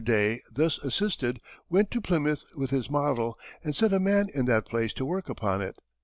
Day, thus assisted, went to Plymouth with his model, and set a man in that place to work upon it.